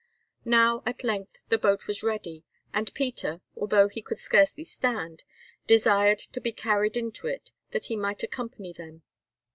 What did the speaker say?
Now, at length the boat was ready, and Peter, although he could scarcely stand, desired to be carried into it that he might accompany them.